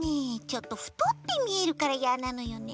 ちょっとふとってみえるからいやなのよね。